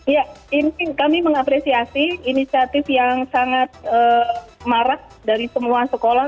ya ini kami mengapresiasi inisiatif yang sangat marak dari semua sekolah